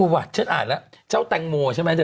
โอ้ววาฉันอ่าแล้วเจ้าแต่งโมอ่ะใช่ไหมเจอ